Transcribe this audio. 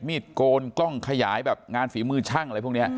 โกนกล้องขยายแบบงานฝีมือช่างอะไรพวกนี้